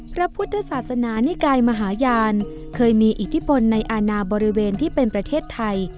พระพุทธศาสนานิกายมหาญาณเคยมีอิทธิพลในอาณาบริเวณที่เป็นประเทศไทย